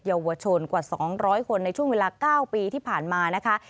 เยาวชนกว่าสองร้อยคนในช่วงเวลาเก้าปีที่ผ่านมานะคะ